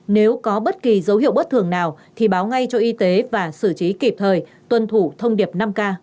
nếu có bất kỳ dấu hiệu bất thường nào thì báo ngay cho y tế và xử trí kịp thời tuân thủ thông điệp năm k